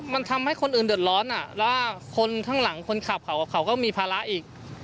มันทำให้คนอื่นเดือดร้อนแล้วคนข้างหลังคนขับเขาก็มีภาระอีก